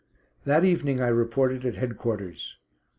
That evening I reported at headquarters.